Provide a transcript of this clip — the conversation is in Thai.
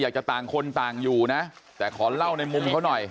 ต่างคนต่างอยู่นะแต่ขอเล่าในมุมเขาหน่อย